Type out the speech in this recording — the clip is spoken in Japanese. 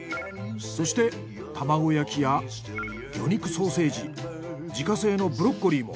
そして玉子焼きや魚肉ソーセージ自家製のブロッコリーも。